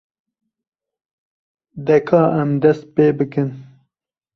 De ka em dest pê bikin.